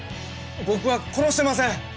僕は殺してません！